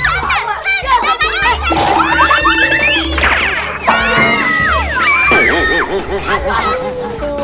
wah agak bana